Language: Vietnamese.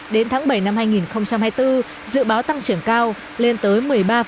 đến tháng bảy năm hai nghìn hai mươi bốn dự báo tăng trưởng cao lên tới một mươi ba